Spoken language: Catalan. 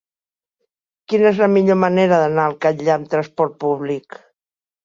Quina és la millor manera d'anar al Catllar amb trasport públic?